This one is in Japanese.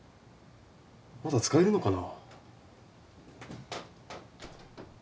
まだ使えるのかな？